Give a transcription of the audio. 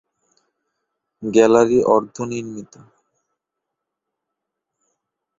Gallery অর্ধ নির্মিত।